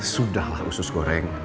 sudahlah usus goreng